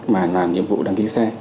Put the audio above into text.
mà làm nhiệm vụ đăng ký xe